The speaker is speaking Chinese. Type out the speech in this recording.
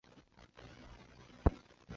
千千松幸子是日本的女性声优。